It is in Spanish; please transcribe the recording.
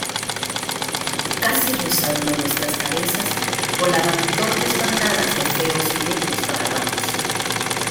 casi rozando nuestras cabezas, volaban torpes bandadas de feos y negros pajarracos.